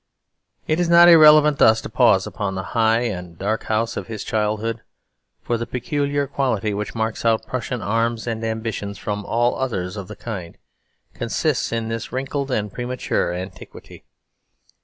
It is not irrelevant thus to pause upon the high and dark house of his childhood. For the peculiar quality which marks out Prussian arms and ambitions from all others of the kind consists in this wrinkled and premature antiquity.